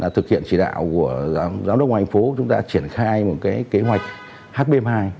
thực hiện chỉ đạo của giám đốc hải phòng chúng ta triển khai một kế hoạch hp hai